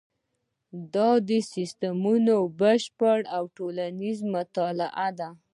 دا د سیسټمونو بشپړه او ټولیزه مطالعه ده.